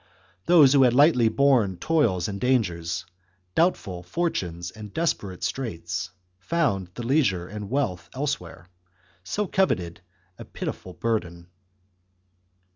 * Those who had lightly borne toils and dangers, doubtful fortunes and des perate straits, found the leisure and wealth elsewhere so coveted a pitiable burden.